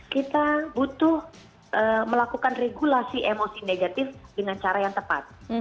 kita butuh melakukan regulasi emosi negatif dengan cara yang tepat